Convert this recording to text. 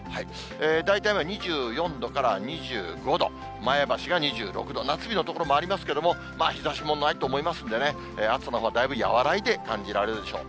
大体２４度から２５度、前橋が２６度、夏日の所もありますけれども、日ざしもないと思いますんでね、暑さのほうはだいぶ和らいで感じられるでしょう。